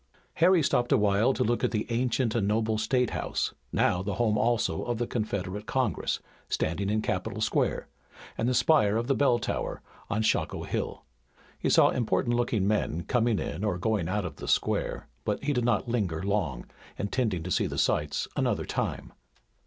Harry stopped a while to look at the ancient and noble state house, now the home also of the Confederate Congress, standing in Capitol Square, and the spire of the Bell Tower, on Shockoe Hill. He saw important looking men coming in or going out of the square, but he did not linger long, intending to see the sights another time.